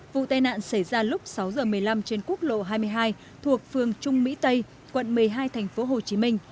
vụ tai nạn xảy ra lúc sáu h một mươi năm trên quốc lộ hai mươi hai thuộc phường trung mỹ tây quận một mươi hai tp hcm